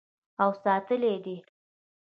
او ساتلی یې دی.